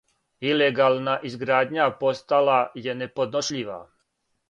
Илегална изградња постала је неподношљива.